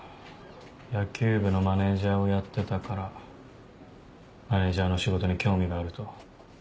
野球部のマネジャーをやってたからマネジャーの仕事に興味があると。